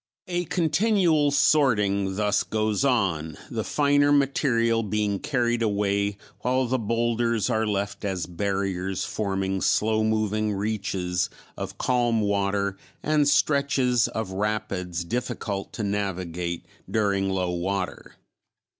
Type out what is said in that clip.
A continual sorting thus goes on, the finer material being carried away while the boulders are left as barriers forming slow moving reaches of calm water and stretches of rapids difficult to navigate during low water.